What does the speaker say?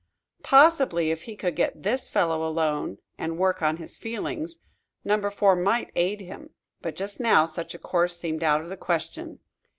Possibly if he could get this fellow alone and work on his feelings Number Four might aid him. But just now such a course seemed out of the question.